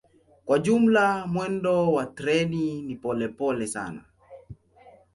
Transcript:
Kwa jumla mwendo wa treni ni polepole sana.